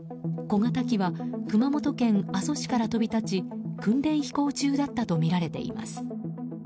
小型機は熊本県阿蘇市から飛び立ち訓練飛行中だったとみられています。